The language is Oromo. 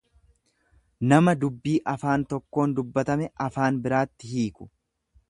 nama dubbii afaan tokkoon dubbatame afaan biraatti hiiku.